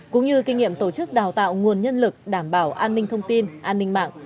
cũng như kinh nghiệm tổ chức đào tạo nguồn nhân lực đảm bảo an ninh thông tin an ninh mạng